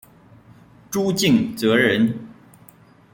朱敬则人。